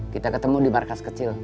kita ketemu di markas kecil